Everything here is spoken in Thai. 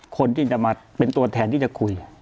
คนที่จะมาเป็นตัวแทนที่จะคุย